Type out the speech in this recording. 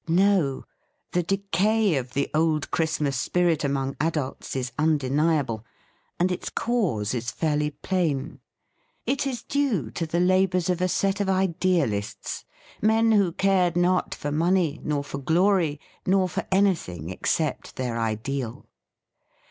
No I The decay of the old Christmas spirit among adults is undeniable, and its cause is fairly plain. It is due to the labours of a set of idealists — men who cared not for money, nor for glory, nor for anything except their ideal.